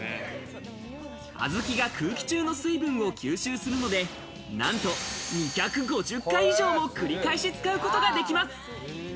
あずきが空気中の水分を吸収するので、なんと２５０回以上も繰り返し使うことができます。